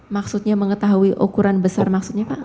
maksudnya mengetahui ukuran besar maksudnya pak